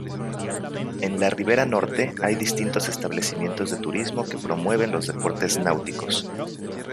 En la ribera norte hay distintos establecimientos de turismo que promueven los deportes náuticos.